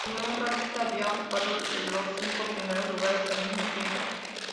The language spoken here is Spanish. Ningún otro artista había ocupado los cinco primeros lugares al mismo tiempo.